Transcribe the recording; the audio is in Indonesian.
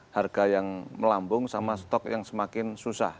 harga yang melambung sama stok yang semakin susah